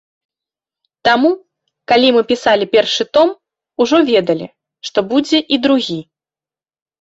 Таму калі мы пісалі першы том, ужо ведалі, што будзе і другі.